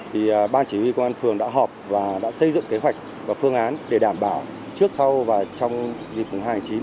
thì ban chỉ huy công an phường đã họp và đã xây dựng kế hoạch và phương án để đảm bảo trước sau và trong dịp hai tháng chín